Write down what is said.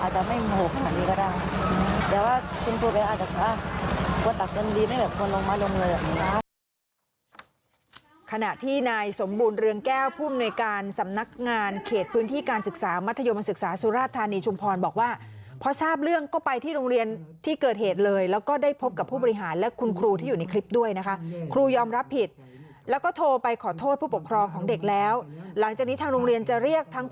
ส่วนตัวก็ยังไม่เคยโดนครูทำร้ายค่ะ